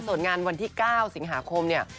ส่วนงานวันที่๙สิงหาคมเนี่ย